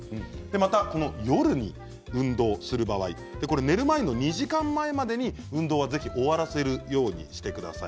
また夜に運動する場合寝る前の２時間前までに運動はぜひ、終わらせるようにしてください。